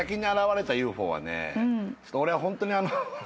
俺はホントにあのう。